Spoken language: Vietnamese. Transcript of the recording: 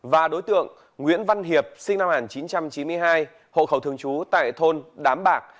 và đối tượng nguyễn văn hiệp sinh năm một nghìn chín trăm chín mươi hai hộ khẩu thường trú tại thôn đám bạc